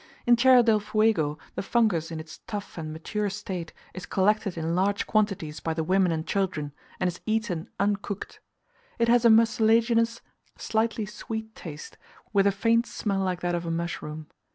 In Tierra del Fuego the fungus in its tough and mature state is collected in large quantities by the women and children, and is eaten un cooked. It has a mucilaginous, slightly sweet taste, with a faint smell like that of a mushroom.